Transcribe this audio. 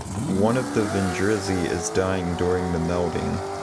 One of the Vindrizi is dying during the melding.